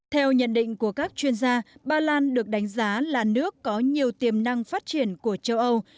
theo nhận định của các chuyên gia ba lan được đánh giá là nước có nhiều tiềm năng phát triển của châu âu